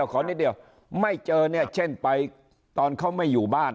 ขอนิดเดียวไม่เจอเนี่ยเช่นไปตอนเขาไม่อยู่บ้าน